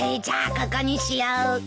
じゃあここにしよう。